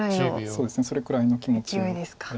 そうですねそれくらいの気持ちはあります。